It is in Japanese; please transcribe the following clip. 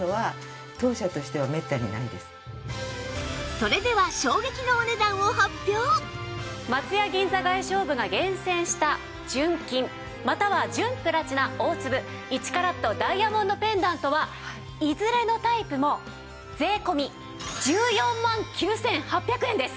それでは松屋銀座外商部が厳選した純金または純プラチナ大粒１カラットダイヤモンドペンダントはいずれのタイプも税込１４万９８００円です。